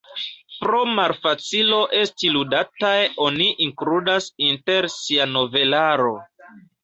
Pro malfacilo esti ludataj oni inkludas inter sia novelaro.